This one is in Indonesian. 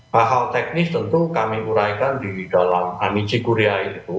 hal hal teknis tentu kami uraikan di dalam amici kurie